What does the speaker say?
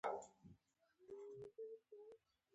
که په محیط کې اسیدي مواد اضافه شي حساسیت یې زیاتیږي.